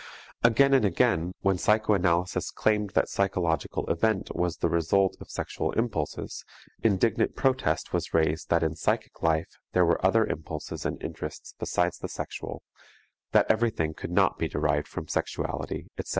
Again and again when psychoanalysis claimed that psychological event was the result of sexual impulses, indignant protest was raised that in psychic life there were other impulses and interests besides the sexual, that everything could not be derived from sexuality, etc.